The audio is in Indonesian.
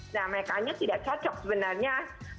nah makanya tidak cocok sebenarnya